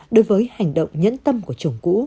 đối với hành động nhẫn tâm của chồng cũ